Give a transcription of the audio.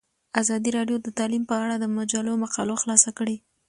ازادي راډیو د تعلیم په اړه د مجلو مقالو خلاصه کړې.